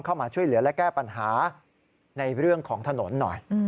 เข้ามาช่วยเหลือและแก้ปัญหาในเรื่องของถนนหน่อย